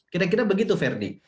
kira kira begitu ferdi